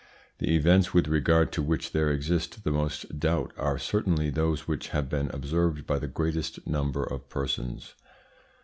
The events with regard to which there exists the most doubt are certainly those which have been observed by the greatest number of persons.